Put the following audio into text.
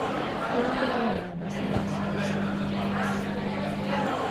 Cullen became known as "the last of the suffragettes".